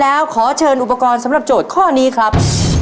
แล้วขอเชิญอุปกรณ์สำหรับโจทย์ข้อนี้ครับ